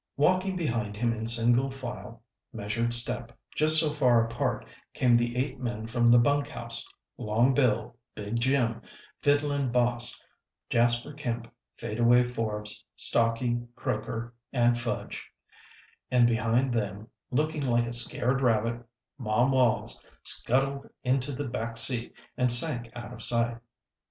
Walking behind him in single file, measured step, just so far apart, came the eight men from the bunk house Long Bill, Big Jim, Fiddling Boss, Jasper Kemp, Fade away Forbes, Stocky, Croaker, and Fudge; and behind them, looking like a scared rabbit, Mom Wallis scuttled into the back seat and sank out of sight.